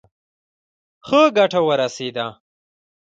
ښه ګټه ورسېده.